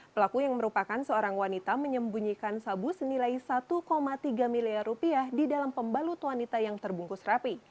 pelaku yang merupakan seorang wanita menyembunyikan sabu senilai satu tiga miliar rupiah di dalam pembalut wanita yang terbungkus rapi